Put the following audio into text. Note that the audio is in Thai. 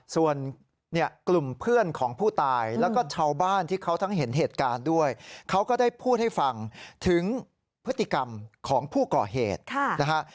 ส่วนกลุ่มเพื่อนของผู้ตายแล้วก็ชาวบ้านที่เขาทั้งเห็นเหตุการณ์ด้วยเขาก็ได้พูดให้ฟังถึงพฤติกรรมของผู้ก่อเหตุนะฮะ